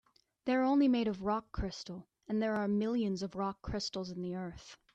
They're only made of rock crystal, and there are millions of rock crystals in the earth.